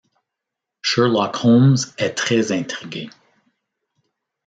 Sherlock Holmes est très intrigué.